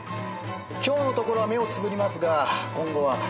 今日のところは目をつむりますが今後は。